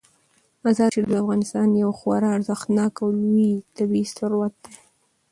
مزارشریف د افغانستان یو خورا ارزښتناک او لوی طبعي ثروت دی.